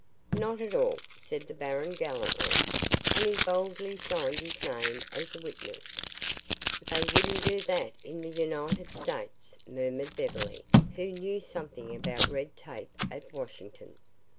"Not at all," said the baron gallantly. And he boldly signed his name as a witness. "They wouldn't do that in the United States," murmured Beverly, who knew something about red tape at Washington.